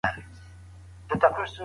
هغه په خپل حماقت ټینګار کوي.